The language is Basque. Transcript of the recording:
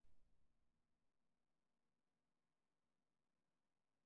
Haurtzaroa aitonaren etxaldean igaro zuen.